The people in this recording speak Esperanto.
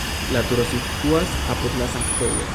La turo situas apud la sanktejo.